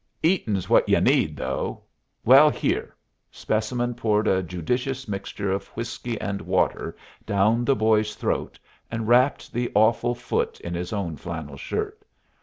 "Eatin's what y'u need, though. Well, here." Specimen poured a judicious mixture of whiskey and water down the boy's throat, and wrapped the awful foot in his own flannel shirt.